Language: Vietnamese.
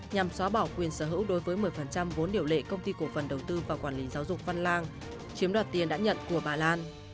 nhằm xóa bỏ quyền sở hữu đối với một mươi vốn điều lệ công ty cổ phần đầu tư và quản lý giáo dục văn lang chiếm đoạt tiền đã nhận của bà lan